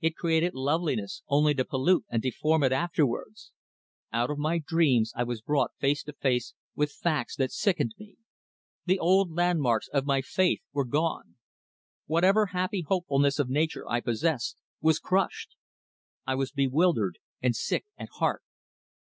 It created loveliness only to pollute and deform it afterwards. Out of my dreams I was brought face to face with facts that sickened me. The old landmarks of my faith were gone. Whatever happy hopefulness of nature I possessed was crushed. I was bewildered and sick at heart.